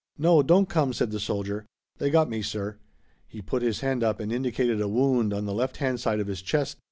"No, don't come," said the soldier. "They got me, sir." He put his hand up and indicated a wound on the left hand side of his chest.